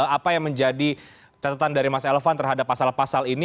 apa yang menjadi catatan dari mas elvan terhadap pasal pasal ini